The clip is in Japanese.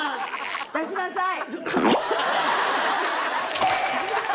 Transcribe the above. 出しなさい！